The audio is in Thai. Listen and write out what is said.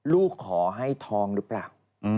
ลูกขอให้ทองหรือเปล่า